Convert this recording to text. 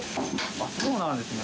あっそうなんですね。